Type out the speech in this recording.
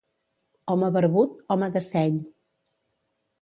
Home barbut, home de seny.